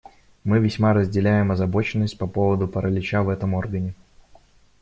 Мы весьма разделяем озабоченность по поводу паралича в этом органе.